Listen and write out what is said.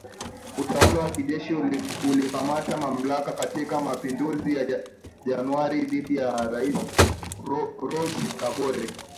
Utawala wa kijeshi ulikamata mamlaka katika mapinduzi ya Januari dhidi ya Rais Roch Kabore